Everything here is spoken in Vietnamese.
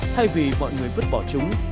thay vì mọi người vứt bỏ chúng